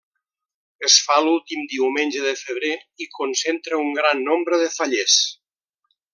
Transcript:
Es fa l'últim diumenge de febrer i concentra un gran nombre de fallers.